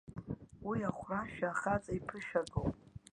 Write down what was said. Уа ахәрашәа ахаҵа иԥышәагоуп.